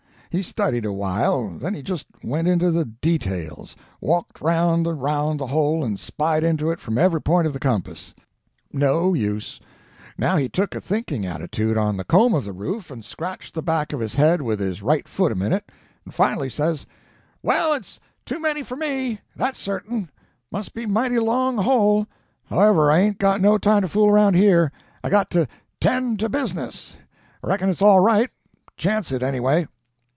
He studied a while, then he just went into the Details walked round and round the hole and spied into it from every point of the compass. No use. Now he took a thinking attitude on the comb of the roof and scratched the back of his head with his right foot a minute, and finally says, 'Well, it's too many for ME, that's certain; must be a mighty long hole; however, I ain't got no time to fool around here, I got to "tend to business"; I reckon it's all right chance it, anyway.'